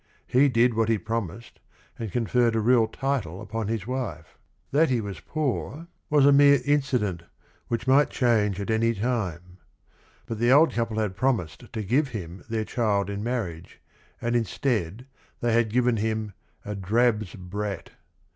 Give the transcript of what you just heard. He did what he promised, and conferred a real title upon his wife. That he was poor was a mere TERTIUM QUID 45 incident which might change at any time. But the old couple had promised to give him their child in marriage, and instead, they had given him "a drab's brat."